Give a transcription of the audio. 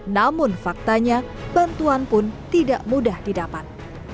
namun faktanya bantuan pun tidak mudah didapat